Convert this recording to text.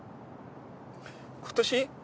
今年？